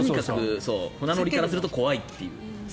船乗りからすると怖いという。